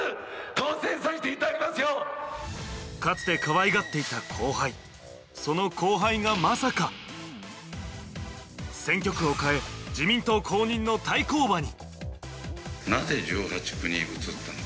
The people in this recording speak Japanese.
かつてかわいがっていた後輩、その後輩がまさか選挙区を変え自民党公認の対抗馬に。